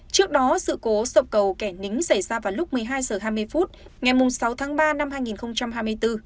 trước đó sự cố sập cầu kẻ nính xảy ra vào lúc một mươi hai h hai mươi phút ngày sáu tháng ba năm hai nghìn hai mươi bốn